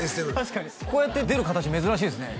確かにこうやって出る形珍しいですね